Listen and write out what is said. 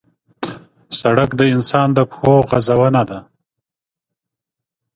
سړک د انسان د پښو غزونه ده.